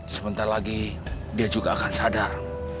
sebentar lagi dia juga akan sadar